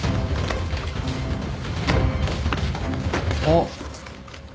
あっ。